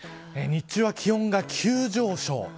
日中は気温が急上昇。